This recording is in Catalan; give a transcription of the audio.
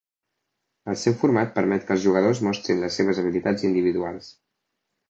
El seu format permet que els jugadors mostrin les seves habilitats individuals.